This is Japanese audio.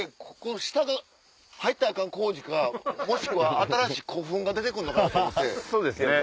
下が入ったらアカン工事かもしくは新しい古墳が出て来んのかなと思って。